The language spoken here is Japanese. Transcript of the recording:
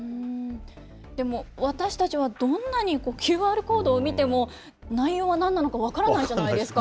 でも、私たちはどんなにＱＲコードを見ても、内容はなんなのか、分からないじゃないですか。